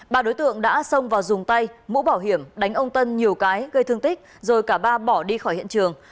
ba đối tượng đã xông vào dùng tay mũ bảo hiểm đánh ông tân nhiều cái gây thương tích rồi cả ba bỏ đi khỏi hiện trường